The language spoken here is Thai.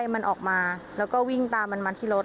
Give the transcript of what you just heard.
มันออกมาแล้วก็วิ่งตามมันมาที่รถ